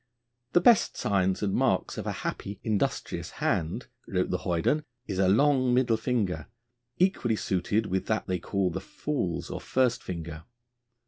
'The best signs and marks of a happy, industrious hand,' wrote the hoyden, 'is a long middle finger, equally suited with that they call the fool's or first finger.'